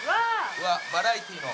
うわっバラエティーの。